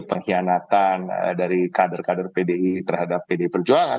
atau mengkhianatan dari kader kader pdi terhadap pdi perjuangan